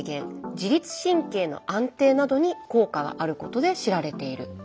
自律神経の安定などに効果があることで知られているものなんです。